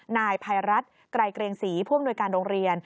นายไพรัฐไกรเกรงศรีพ่วงหน่วยการโรงเรียน